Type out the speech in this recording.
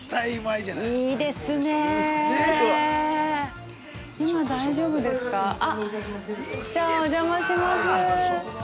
じゃあ、お邪魔します。